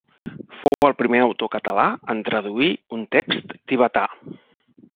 Fou el primer autor català en traduir un text tibetà.